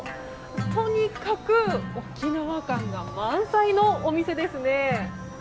とにかく沖縄感が満載のお店ですね。